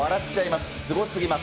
すごすぎます。